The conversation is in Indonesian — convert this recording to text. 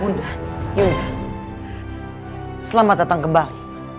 bunda yunda selamat datang kembali